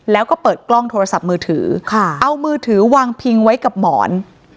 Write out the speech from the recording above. แล้วก็เปิดกล้องโทรศัพท์มือถือเอามือถือวางพิงไว้กับหมอน